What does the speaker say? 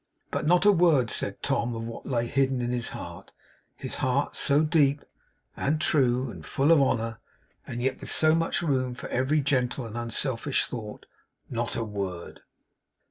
But not a word said Tom of what lay hidden in his heart; his heart, so deep, and true, and full of honour, and yet with so much room for every gentle and unselfish thought; not a word.